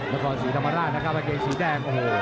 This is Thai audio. แล้วก็สีธรรมราชนะครับอันเกงสีแดงโอ้โห